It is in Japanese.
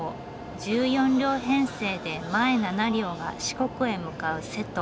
１４両編成で前７両が四国へ向かう瀬戸。